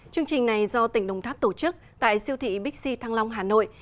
chương trình này do tỉnh đồng tháp tổ chức tại siêu thị bixi thăng long hà nội